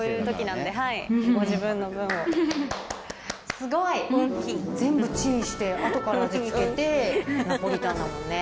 すごい！全部チンして後から味つけてナポリタンだもんね。